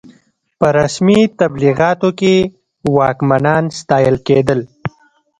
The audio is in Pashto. په رسمي تبلیغاتو کې واکمنان ستایل کېدل.